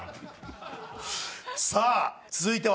さあ続いては。